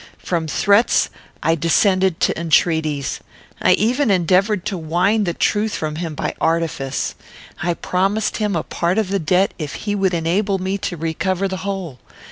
From threats I descended to entreaties. I even endeavoured to wind the truth from him by artifice. I promised him a part of the debt if he would enable me to recover the whole.